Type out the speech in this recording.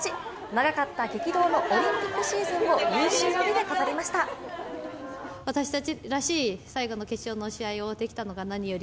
長かった激動のオリンピックシーズンを有終の美で飾りました。